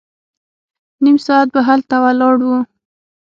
نيم ساعت به هلته ولاړ وو.